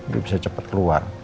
dia bisa cepat keluar